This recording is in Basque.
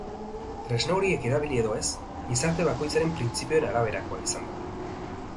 Tresna horiek erabili edo ez, gizarte bakoitzaren printzipioen araberakoa izan da.